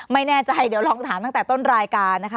ไม่แน่ใจเดี๋ยวลองถามตั้งแต่ต้นรายการนะคะ